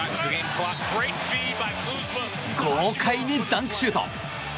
豪快にダンクシュート。